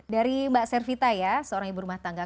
dari mbak servita ya seorang ibu rumah tangga